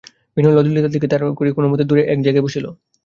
বিনয় ললিতার দিকে আড় করিয়া কোনোমতে দূরে এক জায়গায় বসিল।